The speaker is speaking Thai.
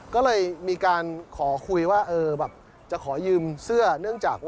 ก็เลยมีการขอคุยว่าจะขอยืมเสื้อ